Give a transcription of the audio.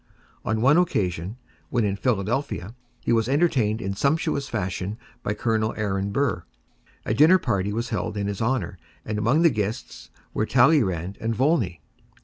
On one occasion, when in Philadelphia, he was entertained in sumptuous fashion by Colonel Aaron Burr. A dinner party was held in his honour, and among the guests were Talleyrand and Volney.